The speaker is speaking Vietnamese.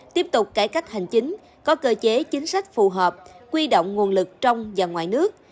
tiếp tục cải cách hành chính có cơ chế chính sách phù hợp quy động nguồn lực trong và ngoài nước